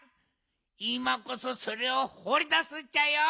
いまこそそれをほりだすっちゃよ！